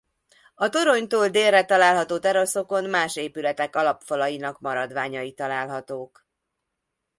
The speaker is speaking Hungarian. A toronytól délre található teraszokon más épületek alapfalainak maradványai találhatók.